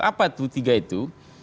apa itu tiga itu